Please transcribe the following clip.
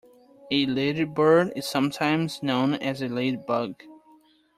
A ladybird is sometimes known as a ladybug